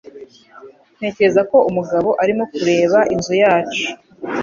Ntekereza ko umugabo arimo kureba inzu yacu.